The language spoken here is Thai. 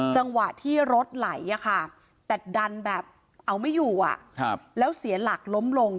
จังหวะที่รถไหลแต่ดันแบบเอาไม่อยู่แล้วเสียหลักล้มลง